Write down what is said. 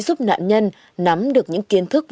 giúp nạn nhân nắm được những kiến thức